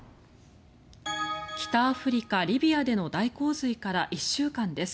北アフリカ・リビアでの大洪水から１週間です。